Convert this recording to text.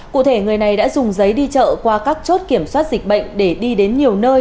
cụ thể người này đã dùng giấy đi chợ qua các chốt kiểm soát dịch bệnh để đi đến nhiều nơi